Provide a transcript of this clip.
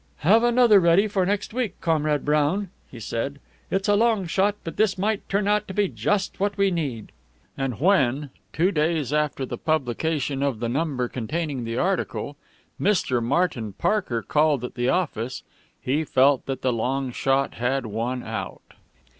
"Have another ready for next week, Comrade Brown," he said. "It's a long shot, but this might turn out to be just what we need." And when, two days after the publication of the number containing the article, Mr. Martin Parker called at the office, he felt that the long shot had won out.